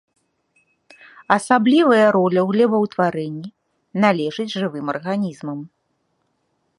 Асаблівая роля ў глебаўтварэнні належыць жывым арганізмам.